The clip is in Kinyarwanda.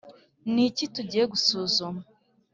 Ni iki tugiye gusuzuma